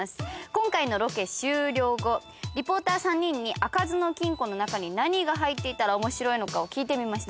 今回のロケ終了後リポーター３人に開かずの金庫の中に何が入っていたら面白いのかを聞いてみました。